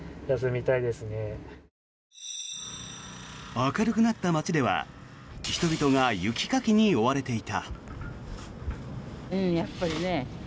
明るくなった街では人々が雪かきに追われていた。